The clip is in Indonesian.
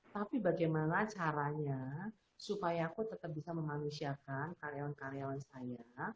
tapi bagaimana caranya supaya aku tetap bisa memanusiakan karyawan karyawan saya